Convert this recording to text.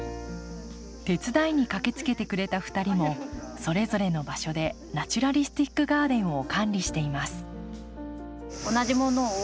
手伝いに駆けつけてくれた２人もそれぞれの場所でナチュラリスティックガーデンを管理しています。